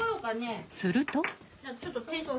すると。